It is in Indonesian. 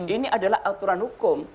ini adalah aturan hukum